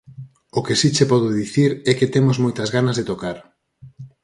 O que si che podo dicir é que temos moitas ganas de tocar!